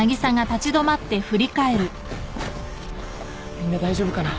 みんな大丈夫かな？